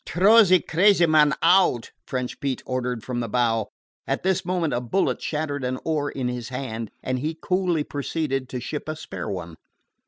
"T'row ze crazy man out!" French Pete ordered from the bow. At this moment a bullet shattered an oar in his hand, and he coolly proceeded to ship a spare one.